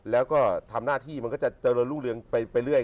แล้วก็ทำหน้าที่มันก็จะเจริญรุ่งเรืองไปเรื่อย